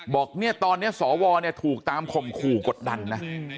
บอกตอนนี้สวถูกตามคมคู่กดดันนะ